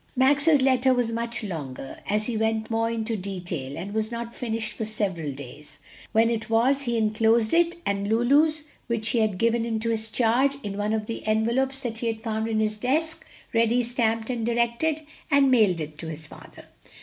Max's letter was much longer, as he went more into detail, and was not finished for several days. When it was he inclosed it and Lulu's, which she had given into his charge, in one of the envelopes that he had found in his desk ready stamped and directed, and mailed it to his father.